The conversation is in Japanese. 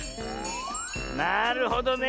なるほどね。